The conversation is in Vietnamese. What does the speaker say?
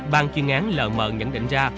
bàn chuyên án lờ mờ nhận định ra